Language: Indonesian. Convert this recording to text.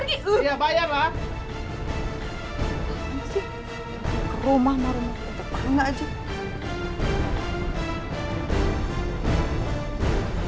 iya iya pergi pergi